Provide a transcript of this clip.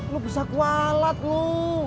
lo besar kualat lo